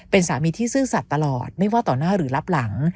เป็นสามีที่ซื่อสัตว์ตลอดไม่ว่าต่อหน้าหรือรับหลัง